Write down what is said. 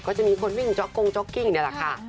ก็จะมีคนวิ่งจ๊อกกงจ๊อกกิ้งนี่แหละค่ะ